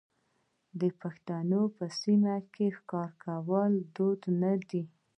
آیا د پښتنو په سیمو کې ښکار کول دود نه دی؟